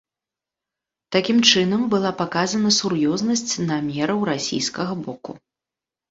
Такім чынам была паказана сур'ёзнасць намераў расійскага боку.